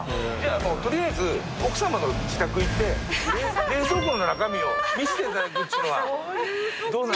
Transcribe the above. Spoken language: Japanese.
とりあえず奥様の自宅行って冷蔵庫の中身を見せて頂くっていうのはどうなんでしょう？